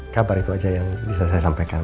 kabar itu aja yang bisa saya sampaikan